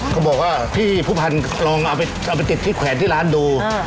เขาบอกว่าพี่ผู้พันธ์ลองเอาไปติดที่แขวนที่ร้านดู